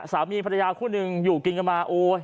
สามีภรรยาคู่หนึ่งอยู่กินกันมาโอ๊ย